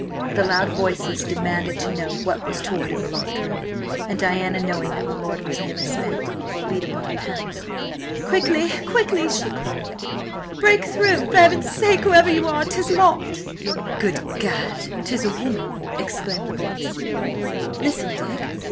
The loud voices demanded to know what was toward in the locked room, and Diana, knowing that my lord was nearly spent, beat upon the panels. "Quickly, quickly!" she cried. "Break through, for heaven's sake, whoever you are! 'Tis locked!" "Good Gad! 'tis a woman!" exclaimed the voice. "Listen, Dick!